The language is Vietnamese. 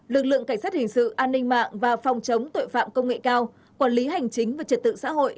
lực lượng cảnh sát hình sự an ninh mạng và phòng chống tội phạm công nghệ cao quản lý hành chính và trật tự xã hội